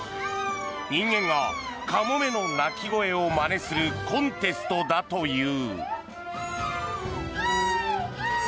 人間がカモメの鳴き声をまねするコンテストだという。